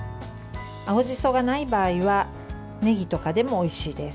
青じそがない場合はねぎとかでもおいしいです。